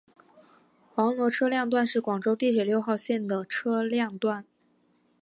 萝岗车辆段是广州地铁六号线的车辆段。